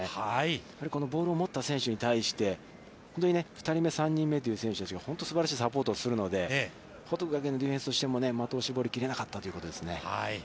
やはり、このボールを持った選手に対して、２人目３人目という選手たちも、本当にすばらしいサポートをするので、報徳学園のディフェンスとしても的を絞りきれなかったということですね。